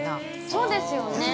◆そうですよね。